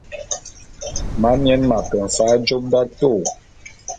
Mamien m'ake mfa'a jôp d'atôô.